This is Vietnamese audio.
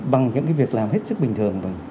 bằng những việc làm hết sức bình thường